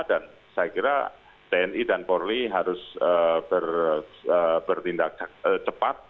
dan saya kira tni dan polri harus bertindak cepat